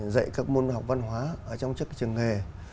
dạy các môn học văn hóa trong trường nghề